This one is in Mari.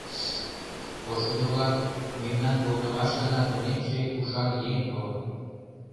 — Пошкудо-влак, мемнан погынымашкына тунемше, ушан еҥ толын.